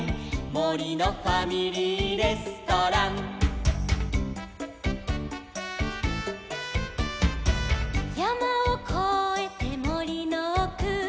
「もりのファミリーレストラン」「やまをこえてもりのおく」